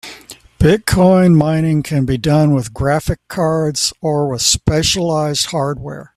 Bitcoin mining can be done with graphic cards or with specialized hardware.